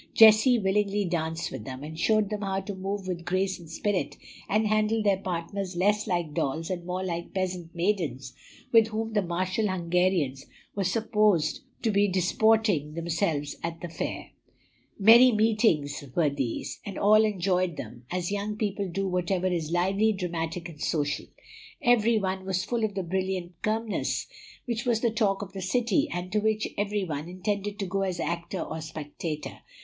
Jessie willingly danced with them, and showed them how to move with grace and spirit, and handle their partners less like dolls and more like peasant maidens with whom the martial Hungarians were supposed to be disporting themselves at the fair. Merry meetings were these; and all enjoyed them, as young people do whatever is lively, dramatic, and social. Every one was full of the brilliant Kirmess, which was the talk of the city, and to which every one intended to go as actor or spectator.